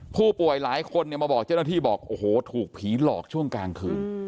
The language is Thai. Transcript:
ผู้ป่วยหลายคนเนี่ยมาบอกเจ้าหน้าที่บอกโอ้โหถูกผีหลอกช่วงกลางคืน